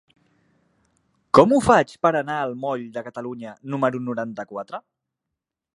Com ho faig per anar al moll de Catalunya número noranta-quatre?